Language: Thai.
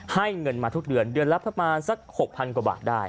ให้เงินมาทุกเดือนเดือนละประมาณสัก๖๐๐กว่าบาทได้